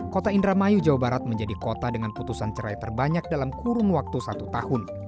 kota indramayu jawa barat menjadi kota dengan putusan cerai terbanyak dalam kurun waktu satu tahun